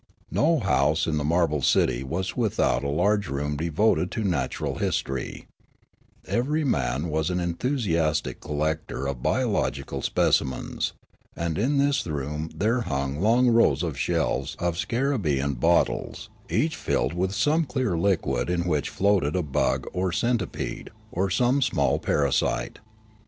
No house in the marble city was without a large room devoted to natural history ; every man was an enthusiastic collector of biological speci mens, and in this room there were long rows of shelves of scarabsean bottles, each filled with some clear liquid in which floated a bug or centipede or some small para site.